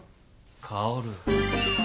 薫。